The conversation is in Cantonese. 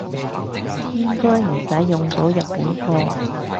應該唔使用到日本貨